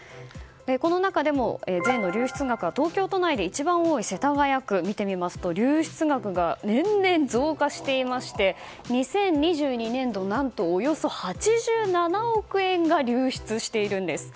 この中でも税の流出額が東京都で一番多い世田谷区、見てみますと流出額が年々増加していまして２０２２年度何とおよそ８７億円が流出しているんです。